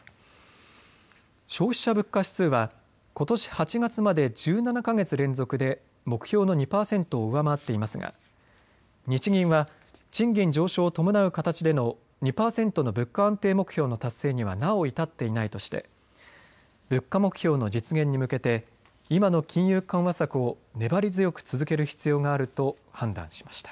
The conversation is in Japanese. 消費者物価指数はことし８月まで１７か月連続で目標の２％を上回っていますが日銀は賃金上昇を伴う形での２％の物価安定目標の達成にはなお至っていないとして物価目標の実現に向けて今の金融緩和策を粘り強く続ける必要があると判断しました。